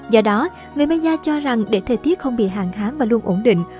do đó người maya cho rằng để thời tiết không bị hàn hám và luôn ổn định